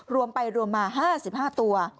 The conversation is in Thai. รวมไปรวมมา๕๕ตัว